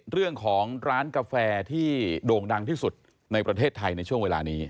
เรื่องของร้านกาแฟที่โด่งดังที่สุดในประเทศไทยในช่วงเวลานี้